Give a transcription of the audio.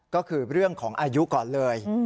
ก็คือเรื่องของอายุก่อนเลย